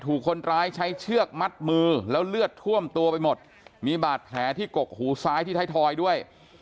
ถูกคนร้ายใช้เชือกมัดมือแล้วเลือดท่วมตัวไปหมดมีบาดแผลที่กกหูซ้ายที่ไทยทอยด้วย